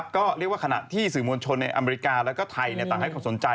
ก็เรียกว่าขณะที่สื่อมวลชนในอเมริกาแล้วก็ไทยต่างให้ความสนใจ